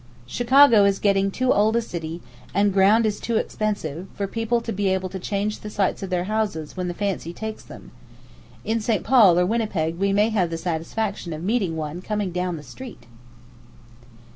Chicago is getting too old a city, and ground is too expensive, for people to be able to change the sites of their houses when the fancy takes them; in St. Paul or Winnipeg we may have the satisfaction of meeting one coming down the street.